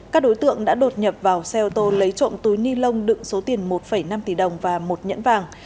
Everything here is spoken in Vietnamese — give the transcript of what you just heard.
các đối tượng đã đột nhập vào xe ô tô lấy trộm túi ni lông đựng số tiền một năm tỷ đồng và một nhẫn vàng